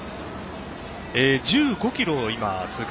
１５ｋｍを通過。